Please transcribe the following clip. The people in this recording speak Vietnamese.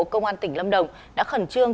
công an tỉnh lâm đồng đã khẩn trương